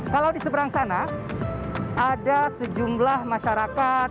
kalau di seberang sana ada sejumlah masyarakat